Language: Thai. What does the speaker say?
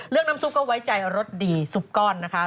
เพราะว่ารสดีซุปก้อนเขามีส่วน